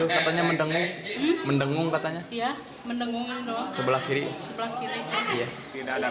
korbannya sekarang dibawa kemana pak